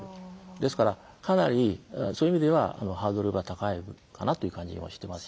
ですから、かなりそういう意味ではハードルが高いかなという感じもしていますし。